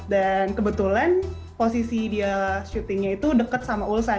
dan kebetulan posisi dia syutingnya itu deket sama ulsan